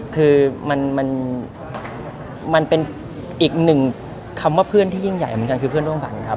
คือมันเป็นอีกหนึ่งคำว่าเพื่อนที่ยิ่งใหญ่เหมือนกันคือเพื่อนร่วมฝันครับ